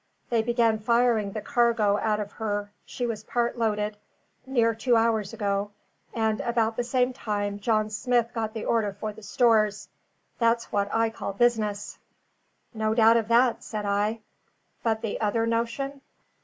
They began firing the cargo out of her (she was part loaded) near two hours ago; and about the same time John Smith got the order for the stores. That's what I call business." "No doubt of that," said I. "But the other notion?"